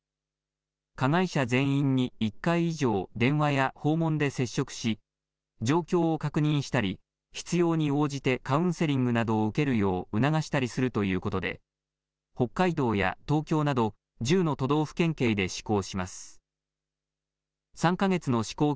加害者全員に１回以上電話や訪問で接触し状況を確認したり必要に応じてカウンセリングなどを受けるよう促したりするということで北海道や東京など１０の都道府県警で試行します。